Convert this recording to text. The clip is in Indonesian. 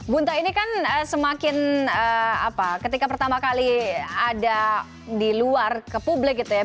bunta ini kan semakin apa ketika pertama kali ada di luar ke publik gitu ya